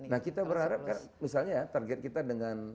nah kita berharapkan misalnya target kita dengan